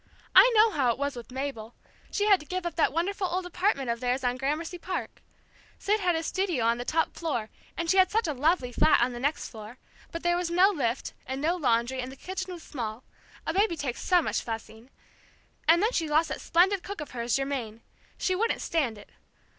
I know how it was with Mabel; she had to give up that wonderful old apartment of theirs on Gramercy Park. Sid had his studio on the top floor, and she had such a lovely flat on the next floor, but there was no lift, and no laundry, and the kitchen was small a baby takes so much fussing! And then she lost that splendid cook of hers, Germaine. She wouldn't stand it.